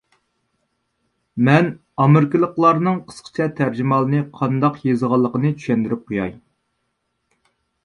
مەن ئامېرىكىلىقلارنىڭ قىسقىچە تەرجىمىھالىنى قانداق يازىدىغانلىقىنى چۈشەندۈرۈپ قوياي.